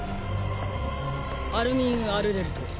アルミン・アルレルト。